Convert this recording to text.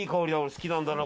好きなんだな